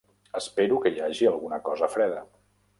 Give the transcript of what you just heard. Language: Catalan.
Espero que hi hagi alguna cosa freda.